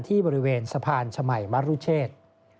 ที่บริเวณสะพานชมัยมรุเชษ